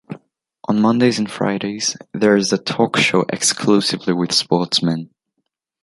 On Mondays and Fridays there is a talk show exclusively with sportsmen.